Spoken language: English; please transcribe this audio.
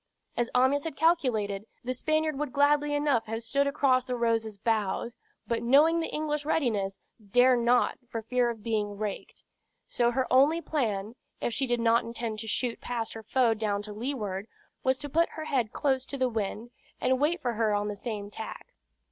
As Amyas had calculated, the Spaniard would gladly enough have stood across the Rose's bows, but knowing the English readiness, dare not for fear of being raked; so her only plan, if she did not intend to shoot past her foe down to leeward, was to put her head close to the wind, and wait for her on the same tack.